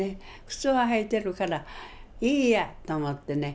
靴を履いてるからいいやと思ってね